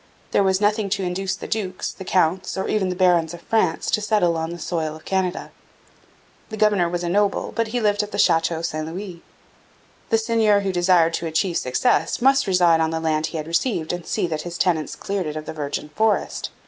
There was nothing to induce the dukes, the counts, or even the barons of France to settle on the soil of Canada. The governor was a noble, but he lived at the Chateau St Louis. The seigneur who desired to achieve success must reside on the land he had received and see that his tenants cleared it of the virgin forest.